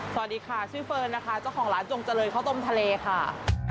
สวัสดีค่ะชื่อเฟิร์นนะคะเจ้าของร้านจงเจริญข้าวต้มทะเลค่ะ